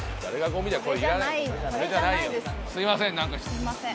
すいません。